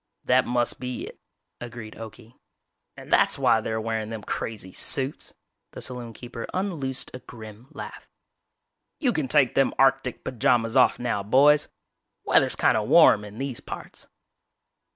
"That must be it," agreed Okie, "and that's why they're wearin' them crazy suits." The saloonkeeper unloosed a grim laugh. "You can take them arctic pajamas off now, boys. Weather's kinda warm in these parts!"